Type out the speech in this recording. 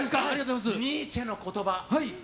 ニーチェの言葉。